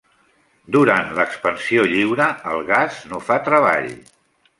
Durant l'expansió lliure el gas no fa treball.